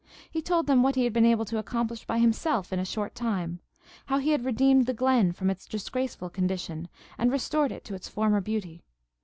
He told them what he had been able to accomplish by himself, in a short time; how he had redeemed the glen from its disgraceful condition and restored it to its former beauty.